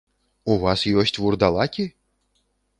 У вас ёсць вурдалакі?